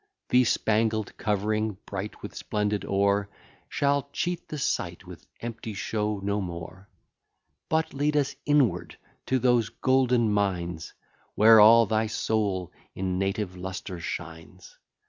The spangled cov'ring, bright with splendid ore, Shall cheat the sight with empty show no more; But lead us inward to those golden mines, Where all thy soul in native lustre shines.